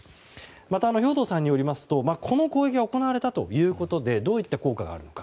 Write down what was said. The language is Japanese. また、兵頭さんによりますとこの攻撃が行われたことでどういった効果があるのか。